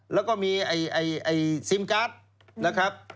แล้วก็มีซิมการ์ดนะครับ